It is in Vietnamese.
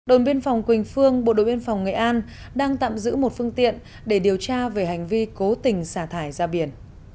đồn biên phòng quỳnh phương bộ đội biên phòng nghệ an đang tạm giữ một phương tiện để điều tra về hành vi cố tình xả thải ra biển